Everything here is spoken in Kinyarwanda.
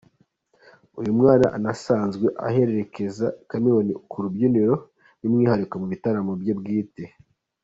Uyu mwana anasanzwe aherekeza Chameleone ku rubyiniro by’umwihariko mu bitaramo bye bwite.